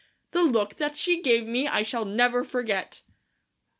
The look that she gave me I shall never forget!